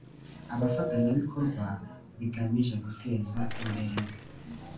abafatanyabikorwa bigamije guteza imbere